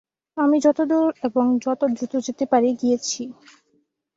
আমি যতদূর এবং যত দ্রুত যেতে পারি, গিয়েছি।